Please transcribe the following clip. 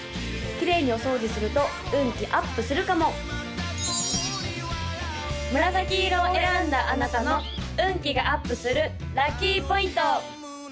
きれいにお掃除すると運気アップするかも紫色を選んだあなたの運気がアップするラッキーポイント！